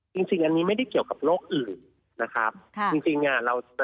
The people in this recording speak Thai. จริงอันนี้ไม่ได้เกี่ยวกับโรคอื่นนะครับ